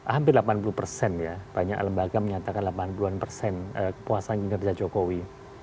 hampir delapan puluh persen ya banyak lembaga menyatakan delapan puluh persen kekuasaan ngerja jokowi